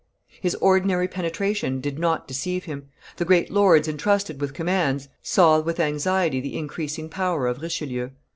His ordinary penetration did not deceive him: the great lords intrusted with commands saw with anxiety the increasing power of Richelieu.